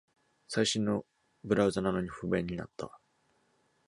最新のブラウザなのに不便になった